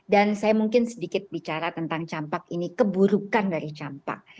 dan saya mungkin sedikit bicara tentang campak ini keburukan dari campak